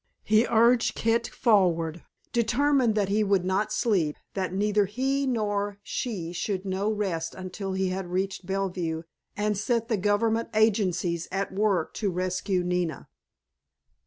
He urged Kit forward, determined that he would not sleep, that neither he nor she should know rest until he had reached Bellevue and set the Government agencies at work to rescue Nina.